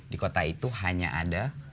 di kota itu hanya ada